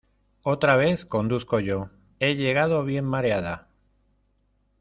Otra vez conduzco yo; he llegado bien mareada.